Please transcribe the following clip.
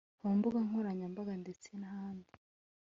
ku mbuga nkoranyambaga ndetse nahandi